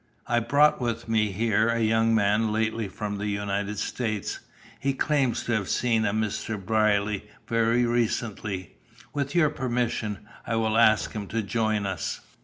I brought with me here a young man lately from the United States. He claims to have seen a Mr. Brierly very recently. With your permission I will ask him to join us."